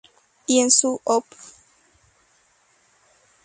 Y en su "Op.